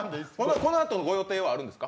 このあと、ご予定はあるんですか？